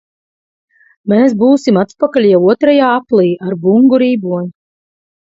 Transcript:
Mēs būsim atpakaļ jau otrajā aplī ar Bungu rīboņu!